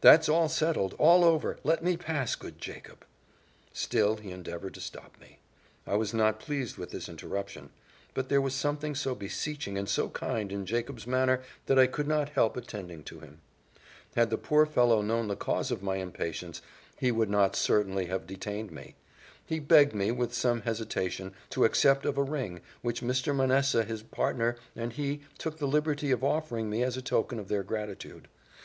"That's all settled all over let me pass, good Jacob." Still he endeavoured to stop me. I was not pleased with this interruption. But there was something so beseeching and so kind in Jacob's manner that I could not help attending to him. Had the poor fellow known the cause of my impatience, he would not certainly have detained me. He begged me, with some hesitation, to accept of a ring, which Mr. Manessa his partner and he took the liberty of offering me as a token of their gratitude.